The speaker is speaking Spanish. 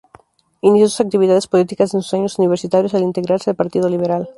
Inició sus actividades políticas en sus años universitarios al integrarse al Partido Liberal.